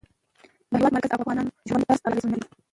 د هېواد مرکز د افغانانو د ژوند طرز اغېزمنوي.